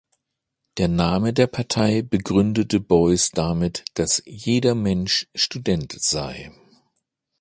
Der Name der Partei begründete Beuys damit, dass jeder Mensch Student sei.